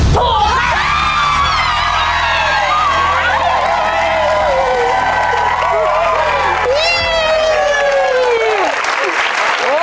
ถูกถูกถูกถูกถูกถูกถูกถูก